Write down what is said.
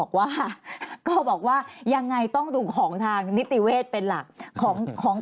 ก็บอกว่ายังไงต้องดูของทางนิติเวศเป็นหลัก